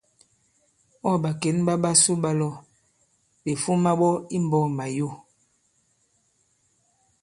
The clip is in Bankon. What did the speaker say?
Ɔ̂ ɓàkěn ɓa ɓasu ɓa lɔ, ɓè fuma ɓɔ i mbɔ̄k i Màyo.